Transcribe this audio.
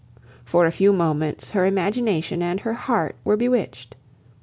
For a few moments her imagination and her heart were bewitched.